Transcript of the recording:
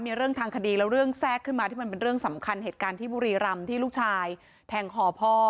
มีเรื่องทางคดีแล้วเรื่องแทรกขึ้นมาที่มันเป็นเรื่องสำคัญเหตุการณ์ที่บุรีรำที่ลูกชายแทงคอพ่อ